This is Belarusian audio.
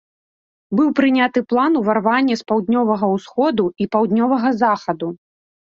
Быў прыняты план ўварвання з паўднёвага ўсходу і паўднёвага захаду.